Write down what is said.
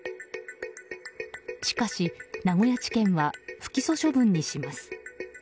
しかし、名古屋地検は不起訴処分にします。